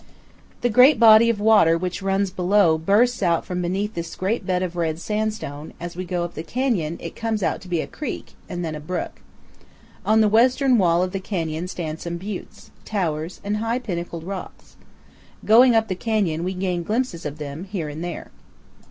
The great body of water which runs below bursts out from beneath this great bed of red sandstone; as we go up the canyon, it comes to be but a creek, and then a brook. On the western wall of the canyon stand some buttes, powell canyons 185.jpg TOWERS ON THE RIO VIRGEN. towers, and high pinnacled rocks. Going up the canyon, we gain glimpses of them, here and there.